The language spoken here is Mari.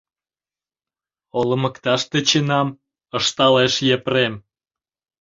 — Олмыкташ тӧченам, — ышталеш Епрем.